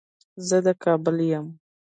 زه د کابل يم